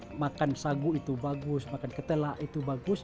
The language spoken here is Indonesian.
kalau makan sagu itu bagus makan ketela itu bagus